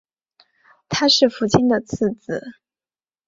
他是父亲的次子。